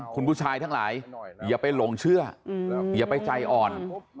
คุณผู้ชายทั้งหลายอย่าไปหลงเชื่ออย่าไปใจอ่อน